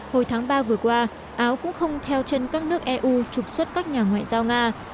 hồi tháng ba vừa qua áo cũng không theo chân các nước eu trục xuất các nhà ngoại giao nga